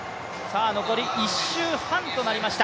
残り１周半となりました。